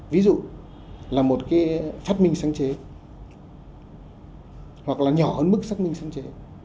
ví dụ là một cái phát minh sáng chế hoặc là nhỏ hơn mức xác minh sáng chế